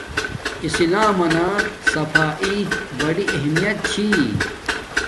اسلام منا صفاݷݵ بڑی اہمیت چھی